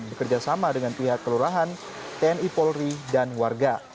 bekerjasama dengan pihak kelurahan tni polri dan warga